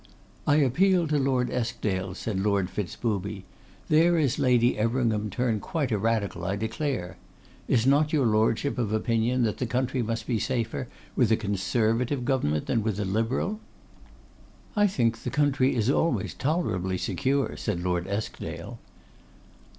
'I appeal to Lord Eskdale,' said Lord Fitz booby; 'there is Lady Everingham turned quite a Radical, I declare. Is not your Lordship of opinion that the country must be safer with a Conservative government than with a Liberal?' 'I think the country is always tolerably secure,' said Lord Eskdale.